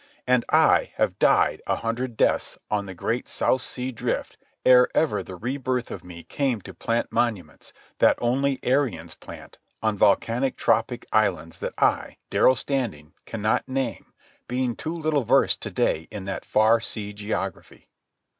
And I have died a hundred deaths on the great South Sea drift ere ever the rebirth of me came to plant monuments, that only Aryans plant, on volcanic tropic islands that I, Darrell Standing, cannot name, being too little versed to day in that far sea geography.